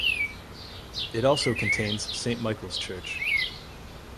It also contains Saint Michael's Church.